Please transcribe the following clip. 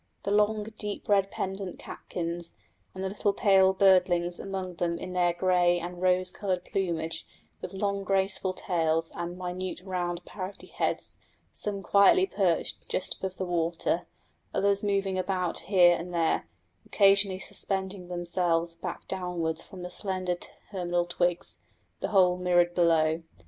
The long deep red pendent catkins and the little pale birdlings among them in their grey and rose coloured plumage, with long graceful tails and minute round, parroty heads; some quietly perched just above the water, others moving about here and there, occasionally suspending themselves back downwards from the slender terminal twigs the whole mirrored below.